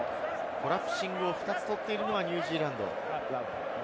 コラプシングを２つ取っているのはニュージーランド。